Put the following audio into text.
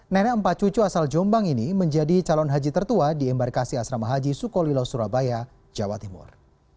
nenek empat cucu asal jombang ini menjadi calon haji tertua di embarkasi asrama haji sukolilo surabaya jawa timur